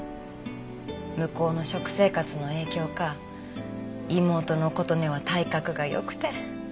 向こうの食生活の影響か妹の琴音は体格が良くて。